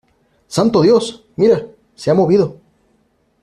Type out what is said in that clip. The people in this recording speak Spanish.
¡ santo Dios! mira, se ha movido.